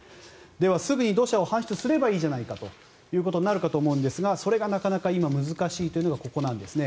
ではすぐに土砂を搬出すればいいじゃないかとなるんですがそれがなかなか今、難しいというのがここなんですね。